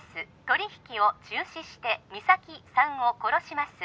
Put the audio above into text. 取り引きを中止して実咲さんを殺します